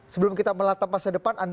sebelum kita melatap masa depan